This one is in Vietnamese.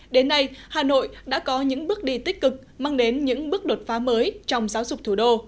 đến nay hà nội đã có những bước đi tích cực mang đến những bước đột phá mới trong giáo dục thủ đô